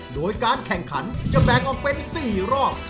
โดยการแข่งขันจะแบ่งออกเป็น๔รอบ